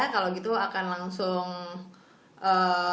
kalau gitu akan langsung ee